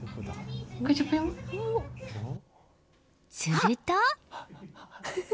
すると。